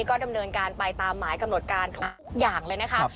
ก็ดำเนินการไปตามหมายกำหนดการทุกอย่างเลยนะคะ